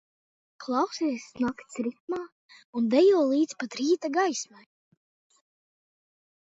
Klausies nakts ritmā un dejo līdz pat rīta gaismai!